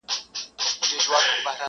اکثر له دین او له وقاره سره لوبي کوي،